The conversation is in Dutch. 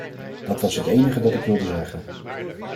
Dat was het enige dat ik wilde zeggen.